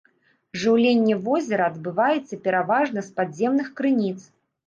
Жыўленне возера адбываецца пераважна з падземных крыніц.